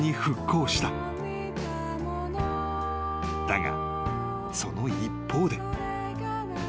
［だがその一方で］